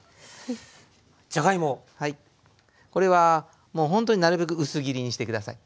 これはもうほんとになるべく薄切りにして下さい。